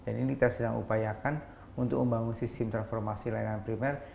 dan ini kita sedang upayakan untuk membangun sistem transformasi layanan primer